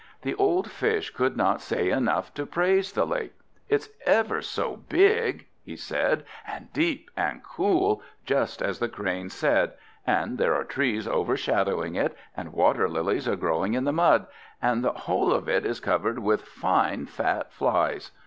The old Fish could not say enough to praise the lake. "It's ever so big," he said, "and deep and cool, just as the Crane said; and there are trees overshadowing it, and water lilies are growing in the mud; and the whole of it is covered with fine fat flies!